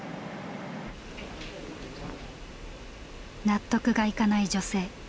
納得がいかない女性。